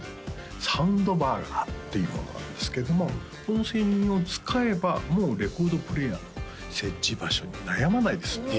サウンドバーガーっていうものなんですけどもこの製品を使えばもうレコードプレーヤーの設置場所に悩まないです